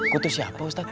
kutu siapa ustadz